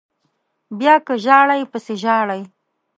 بیا که ژاړئ پسې ژاړئ